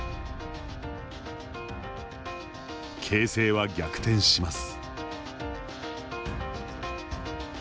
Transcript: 形勢は逆転します。